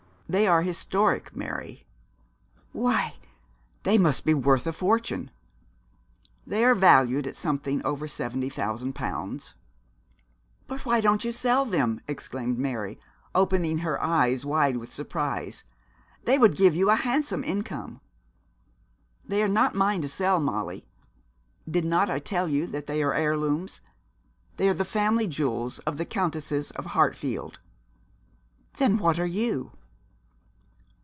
They are historic, Mary.' 'Why, they must be worth a fortune.' 'They are valued at something over seventy thousand pounds.' 'But why don't you sell them?' exclaimed Mary, opening her eyes wide with surprise, 'they would give you a handsome income.' 'They are not mine to sell, Molly. Did not I tell you that they are heirlooms? They are the family jewels of the Countesses of Hartfield.' 'Then what are you?'